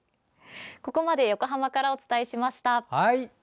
ここまで横浜からお伝えしました。